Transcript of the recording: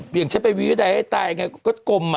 อย่างฉันไปวิวใดให้ตายอย่างไรก็กลม